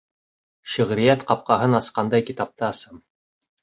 Шиғриәт ҡапҡаһын асҡандай китапты асам.